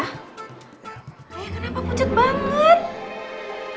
kenapa pucat banget